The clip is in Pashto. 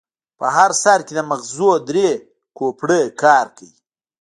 په هر سر کې د ماغزو درې کوپړۍ کار کوي.